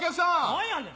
何やねん。